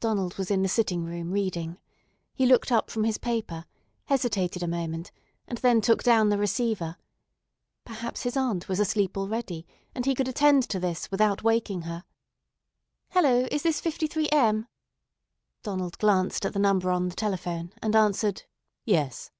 Donald was in the sitting room reading. He looked up from his paper, hesitated a moment, and then took down the receiver. Perhaps his aunt was asleep already, and he could attend to this without waking her. "Hello; is this 53 M?" Donald glanced at the number on the telephone, and answered, "Yes."